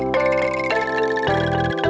dan di situ yek